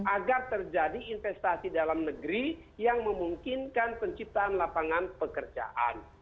agar terjadi investasi dalam negeri yang memungkinkan penciptaan lapangan pekerjaan